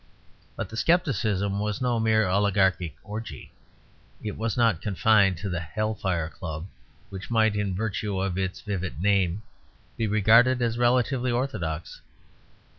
But the scepticism was no mere oligarchic orgy; it was not confined to the Hell Fire Club; which might in virtue of its vivid name be regarded as relatively orthodox.